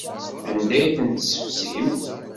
Anda ay ten-tessefsimt?